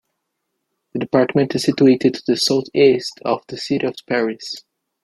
The department is situated to the southeast of the city of Paris.